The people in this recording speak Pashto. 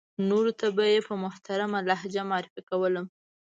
نورو ته به یې په محترمه لهجه معرفي کولم.